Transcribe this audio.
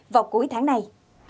vào cuối tháng này